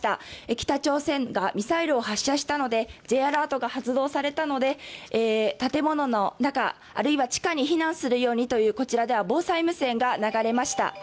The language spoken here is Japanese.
北朝鮮がミサイルを発射したのでＪアラートが発動されたので建物の中、あるいは地下に避難するようにと防災無線が流れました。